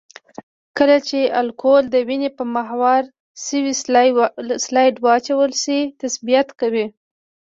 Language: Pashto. کله چې الکول د وینې په هموار شوي سلایډ واچول شي تثبیت کوي.